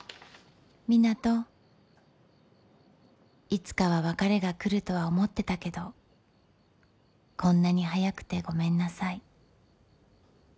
いつかは別れが来るとは思ってたけどこんなに早くてごめんなさい。